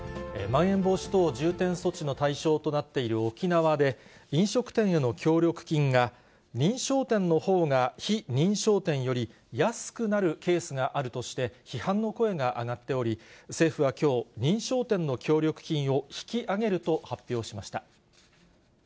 まん延防止等重点措置の対象となっている沖縄で、飲食店への協力金が、認証店のほうが、非認証店より安くなるケースがあるとして、批判の声が上がっており、政府はきょう、認証店の協力金を引き上げると発表しました。